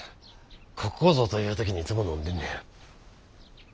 ここぞという時にいつも飲んでんねん。